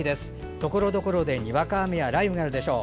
ところどころでにわか雨や雷雨があるでしょう。